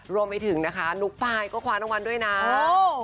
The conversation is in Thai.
รวมไปถึงนะคะหนุ่มปลายก็คว้านางวัลด้วยน้ำโอ้